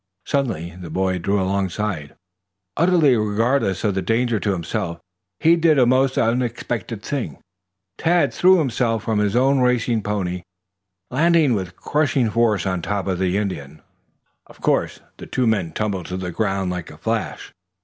Suddenly the boy drew alongside. Utterly regardless of the danger to himself, he did a most unexpected thing. Tad threw himself from his own racing pony, landing with crushing force on top of the Indian. Of course the two men tumbled to the ground like a flash.